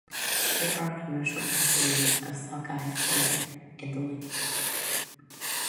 There are commercial fisheries of sockeye salmon in the lake.